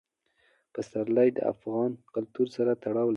پسرلی د افغان کلتور سره تړاو لري.